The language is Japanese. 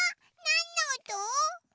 なんのおと？